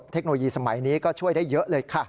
เทคโนโลยีสมัยนี้ก็ช่วยได้เยอะเลยค่ะ